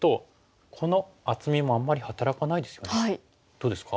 どうですか？